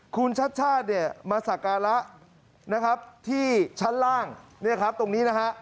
คุณชัชชาศเนี่ยมาสาการะที่ชั้นล่างนี่ครับตรงนี้นะคะ